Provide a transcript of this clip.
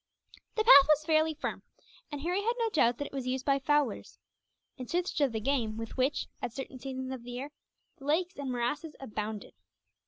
The path was fairly firm, and Harry had no doubt that it was used by fowlers, in search of the game with which, at certain seasons of the year, the lakes and morasses abounded.